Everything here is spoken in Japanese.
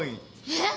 えっ？